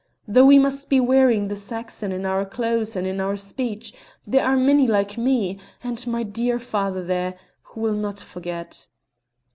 Though we must be wearing the Saxon in our clothes and in our speech, there are many like me and my dear father there who will not forget."